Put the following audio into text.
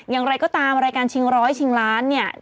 อย่างไรก็ตามรายการชิงร้อยชิงล้านเนี่ย